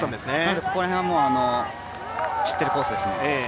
ここら辺は知ってるコースですね。